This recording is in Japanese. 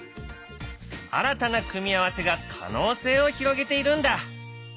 新たな組み合わせが可能性を広げているんだ。